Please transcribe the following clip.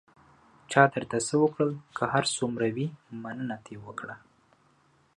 چا درته څه وکړل، که هر څومره وي، مننه ترې وکړه.